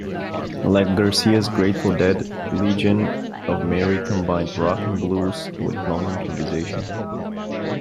Like Garcia's Grateful Dead, Legion of Mary combined rock and blues with long improvisation.